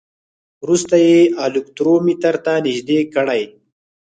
وروسته یې الکترومتر ته نژدې کړئ.